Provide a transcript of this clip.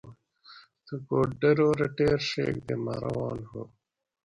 تھُکو ڈیرور اٞ ٹیر ݭیگ تے مٞہ روان ہُو